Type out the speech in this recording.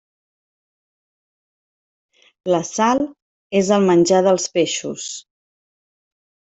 La sal és el menjar dels peixos.